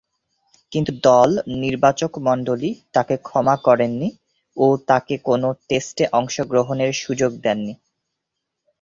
কিন্তু, দল নির্বাচকমণ্ডলী তাকে ক্ষমা করেননি ও আর তাকে কোন টেস্টে অংশগ্রহণের সুযোগ দেননি।